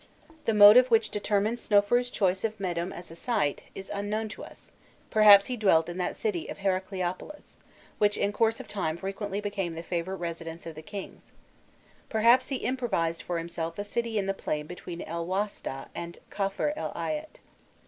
The motive which determined Snofrûi's choice of Mêdûm as a site, is unknown to us: perhaps he dwelt in that city of Heracleopolis, which in course of time frequently became the favourite residence of the kings; perhaps he improvised for himself a city in the plain between El Wastah and Kafr el Ayat.